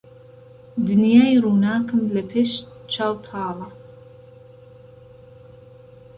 دنیای رووناکم له پیش چاو تاڵه